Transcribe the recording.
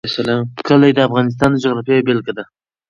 کلي د افغانستان د جغرافیې یوه بېلګه ده.